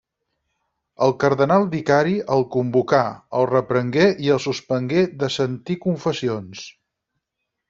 El cardenal vicari el convocà, el reprengué i el suspengué de sentir confessions.